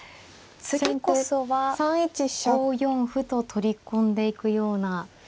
次こそは５四歩と取り込んでいくような。